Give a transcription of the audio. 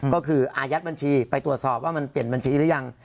ก็คืออายัดบัญชีไปตรวจสอบว่ามันเปลี่ยนบัญชีหรือยัง